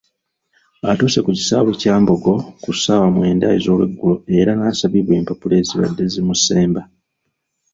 Atuuse ku kisaawe kya Kyambogo ku ssaawa mwenda ez'olweggulo era n'asabibwa empapula ezibadde zimusemba.